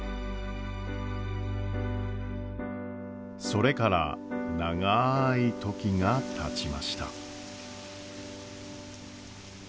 それから長い時がたちました。